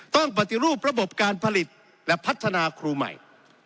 ปฏิรูประบบการผลิตและพัฒนาครูใหม่